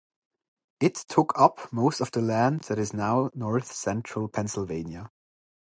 It took up most of the land that is now north central Pennsylvania.